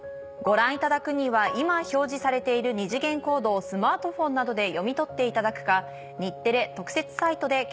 ご覧いただくには今表示されている二次元コードをスマートフォンなどで読み取っていただくか。